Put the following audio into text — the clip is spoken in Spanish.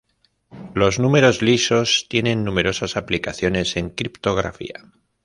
Los números lisos tienen numerosas aplicaciones en criptografía.